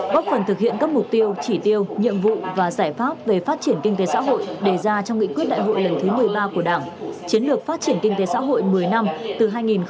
góp phần thực hiện các mục tiêu chỉ tiêu nhiệm vụ và giải pháp về phát triển kinh tế xã hội đề ra trong nghị quyết đại hội lần thứ một mươi ba của đảng chiến lược phát triển kinh tế xã hội một mươi năm từ hai nghìn hai mươi một hai nghìn ba mươi